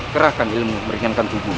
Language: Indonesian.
kerahkan ilmu meringankan tubuhmu